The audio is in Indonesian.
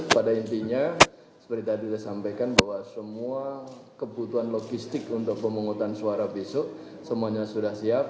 pada intinya seperti tadi saya sampaikan bahwa semua kebutuhan logistik untuk pemungutan suara besok semuanya sudah siap